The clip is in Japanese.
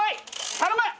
頼む！